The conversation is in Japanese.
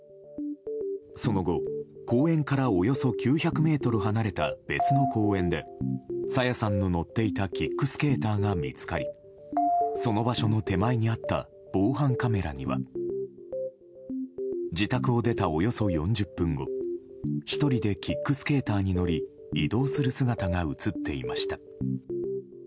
その後、公園からおよそ９００ｍ離れた別の公園で朝芽さんの乗っていたキックスケーターが見つかりその場所の手前にあった防犯カメラには自宅を出たおよそ４０分後１人でキックスケーターに乗り移動する姿が映っていました。